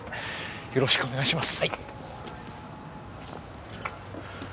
よろしくお願いします。